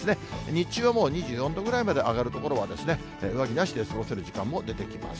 日中はもう２４度ぐらいまで上がる所は、上着なしで過ごせる時間も出てきます。